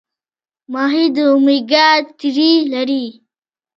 ماهي د اومیګا تري لري